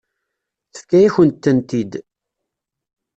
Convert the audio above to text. Tefka-yakent-tent-id.